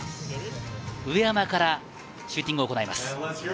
上山からシューティングを行います。